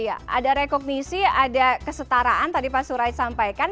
iya ada rekognisi ada kesetaraan tadi pak surai sampaikan